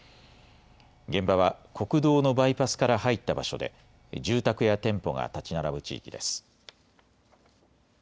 現場は国道のバイパスから入った場所で住宅や店舗が建ち並ぶ地域です。